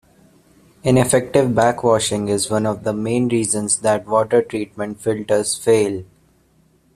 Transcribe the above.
Ineffective backwashing is one of the main reasons that water treatment filters fail.